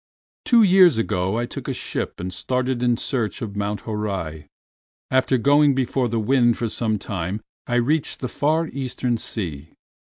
"Two years ago I took a ship and started in search of Mount Horai. After going before the wind for some time I reached the far Eastern Sea.